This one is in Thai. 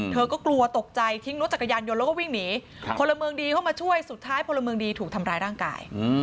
เธอก็กลัวตกใจทิ้งรถจักรยานยนต์แล้วก็วิ่งหนีพลเมืองดีเข้ามาช่วยสุดท้ายพลเมืองดีถูกทำร้ายร่างกาย